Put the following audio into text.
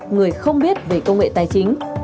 người không biết về công nghệ tài chính